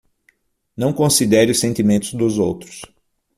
Não considere os sentimentos dos outros